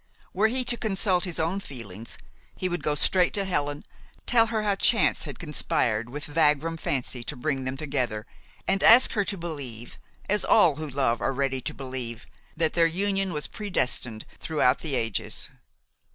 Were he to consult his own feelings, he would go straight to Helen, tell her how chance had conspired with vagrom fancy to bring them together, and ask her to believe, as all who love are ready to believe, that their union was predestined throughout the ages.